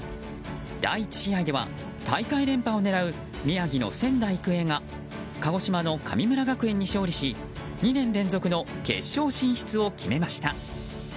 第１試合では、大会連覇を狙う宮城の仙台育英が鹿児島の神村学園に勝利し２年連続の決勝進出を決めました。